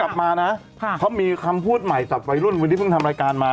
เภาะเขามีคำพูดใหม่แต่วันนี้ปึ๊กทำรายการมา